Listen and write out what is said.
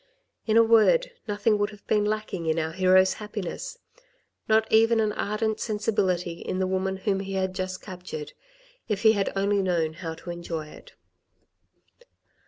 In a word, nothing would have been lacking in our hero's happiness, not even an ardent sensibility in the woman whom he had just captured, if he had only known how to enjoy it.